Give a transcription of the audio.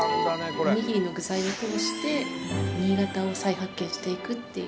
おにぎりの具材を通して新潟を再発見していくっていう。